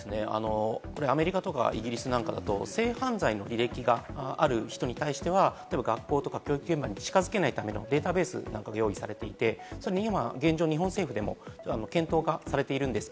アメリカとかイギリスなんかだと、性犯罪の履歴がある人に対しては、学校とか教育現場に近づけないためのデータベースなどが用意されていて、それ今、現状、日本政府でも検討化されています。